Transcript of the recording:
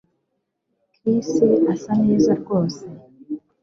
Chris asa neza rwose